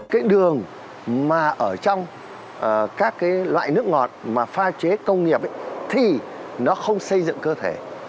cái đường mà ở trong các cái loại nước ngọt mà pha chế công nghiệp thì nó không xây dựng cơ thể